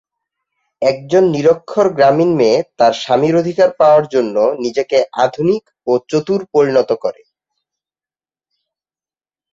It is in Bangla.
একজন নিরক্ষর গ্রামীণ মেয়ে তার স্বামীর অধিকার পাওয়ার জন্য নিজেকে আধুনিক ও চতুর পরিণত করে।